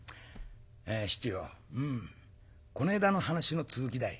七よこねえだの話の続きだい」。